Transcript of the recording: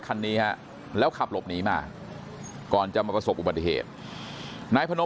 คันนี้ฮะแล้วขับหลบหนีมาก่อนจะมาประสบอุบัติเหตุนายพนม